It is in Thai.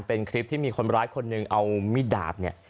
เป็นคลิปที่มีคนร้ายคนหนึ่งเอามิดดาบเนี่ย